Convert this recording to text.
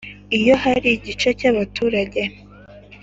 . Iyo hari igice cy'abaturage